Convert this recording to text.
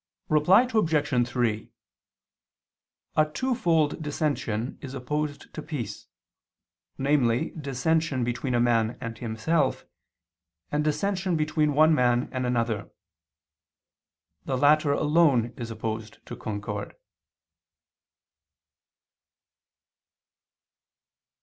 Reply Obj. 3: A twofold dissension is opposed to peace, namely dissension between a man and himself, and dissension between one man and another. The latter alone is opposed to concord.